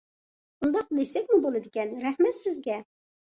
ئۇنداق دېسەكمۇ بولىدىكەن. رەھمەت سىزگە!